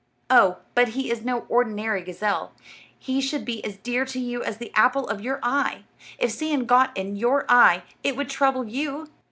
"Oh, but he is no ordinary gazelle. He should be as dear to you as the apple of your eye. If sand got in your eye it would trouble you."